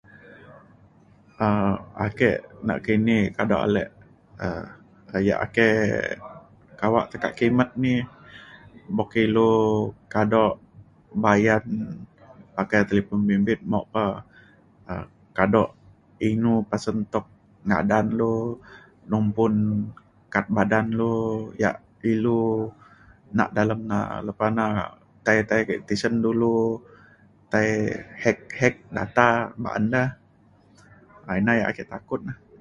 um ake nakini, kado ale um yak ake kawak tekak kimet ni boka ilu kado bayan pakai telipon bimbit ma'o pa kado inu pasen tuk ngadan lu nubun kad badan lu, yak ilu na dalem na, lepa ilu nak tai tai ke tisen dulu, tai hack hack data baan da um na ina yak ake takut.